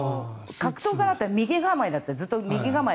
格闘家だったら右構えだったらずっと右構え。